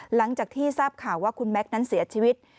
หลังจากที่ทราบข่าวว่าคุณแม็กซ์นั้นเสียชีวิต